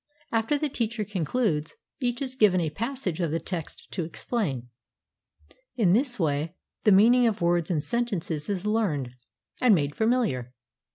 After the teacher concludes , each is given a passage of the text to explain. In this way, the meaning of words and sentences is learned and made familiar.